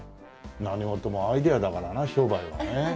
何事もアイデアだからな商売はね。